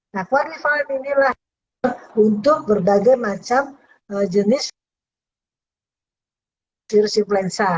nah quarifin inilah untuk berbagai macam jenis virus influenza